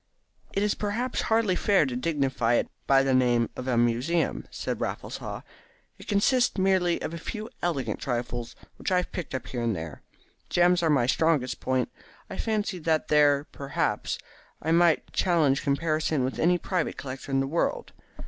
"It is perhaps hardly fair to dignify it by the name of a museum," said Raffles Haw. "It consists merely of a few elegant trifles which I have picked up here and there. Gems are my strongest point. I fancy that there, perhaps, I might challenge comparison with any private collector in the world.